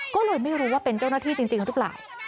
ก็เลยไม่รู้ว่าเป็นเจ้าหน้าที่จริงหรือเปล่า